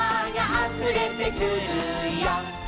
「あふれてくるよ」